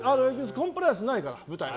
コンプライアンスないから舞台は。